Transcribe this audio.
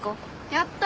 やった！